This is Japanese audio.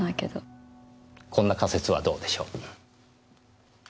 こんな仮説はどうでしょう？